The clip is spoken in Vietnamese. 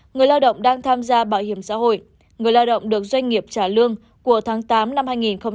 người lao động đang tham gia bảo hiểm xã hội người lao động được doanh nghiệp trả lương của tháng tám năm hai nghìn một mươi chín